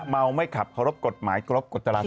เมาไม่ขับรับกฎหมายกรับกฎจรศจรด้วย